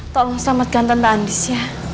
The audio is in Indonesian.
tolong selamatkan tentang andis ya